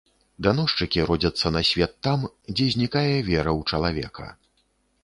Даносчыкі родзяцца на свет там, дзе знікае вера ў чалавека.